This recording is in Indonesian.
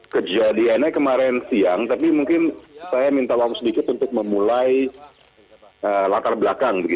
kejadiannya kemarin siang tapi mungkin saya minta waktu sedikit untuk memulai latar belakang